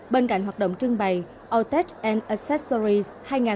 bên cạnh hoạt động trưng bày autotech accessories hai nghìn hai mươi ba